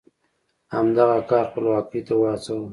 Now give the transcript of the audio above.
همدغه کار خپلواکۍ ته وهڅول.